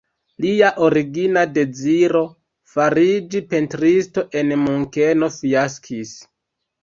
Lia origina deziro, fariĝi pentristo en Munkeno, fiaskis.